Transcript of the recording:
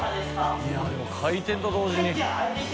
いやでも開店と同時に。